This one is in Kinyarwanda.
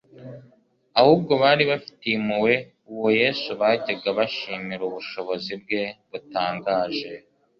Ahubwo bari bafitiye impuhwe uwo Yesu bajyaga bashimira ubushobozi bwe butangaje.